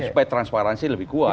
supaya transparansi lebih kuat